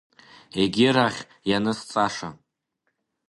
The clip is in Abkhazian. Егьирахь ианысҵаша…